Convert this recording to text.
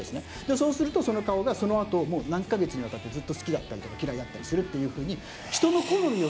そうするとその顔がそのあと何か月にわたってずっと好きだったりとか嫌いだったりするっていうふうに。